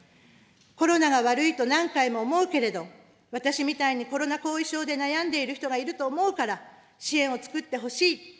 コロナが悪いと何回も思うけれど、私みたいにコロナ後遺症で悩んでいる人がいると思うから支援を作ってほしい。